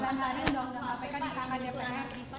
bapak sementara yang doang dalam apk dikarenakan